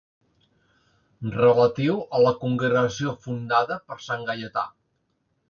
Relatiu a la congregació fundada per sant Gaietà.